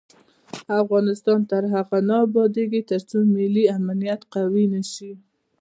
افغانستان تر هغو نه ابادیږي، ترڅو ملي امنیت قوي نشي.